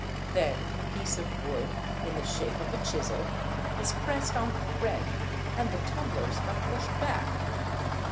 Then a piece of wood in the shape of a chisel is pressed on the thread and the tumblers are pushed back.